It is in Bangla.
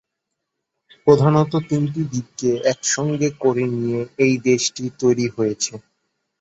প্রধানত তিনটি দ্বীপকে একসঙ্গে করে নিয়ে এই দেশটি তৈরি হয়েছে।